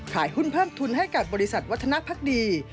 ขายหุ้นเพิ่มทุนให้กับบริษัทวัฒนภักดี